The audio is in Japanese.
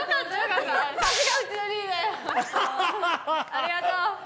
ありがとう。